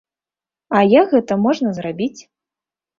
А як гэта можна зрабіць?